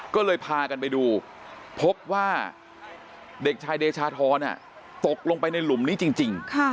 ก็เลยพากันไปดูพบว่าเด็กชายเดชาธรตกลงไปในหลุมนี้จริง